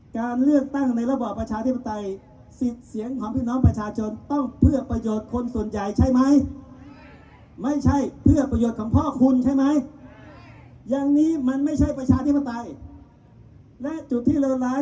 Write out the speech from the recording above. การเลือกตั้งในระบบประชาธิบดินไทยสิทธิ์เสียงของพี่น้องประชาชนต้องเพื่อประโยชน์คนส่วนใหญ่ใช่ไหมไม่ใช่เพื่อประโยชน์ของพ่อคุณใช่ไหม